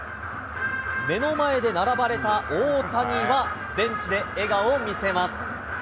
目の前で並ばれた大谷は、ベンチで笑顔を見せます。